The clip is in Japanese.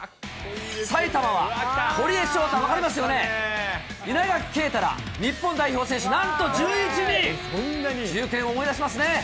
埼玉は堀江翔太、稲垣啓太ら日本代表選手、なんと１１人。を思い出しますね。